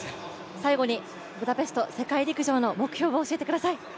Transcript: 最後に、ブダペスト世界陸上の目標を教えてください。